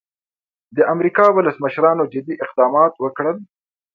د امریکا ولسمشرانو جدي اقدامات وکړل.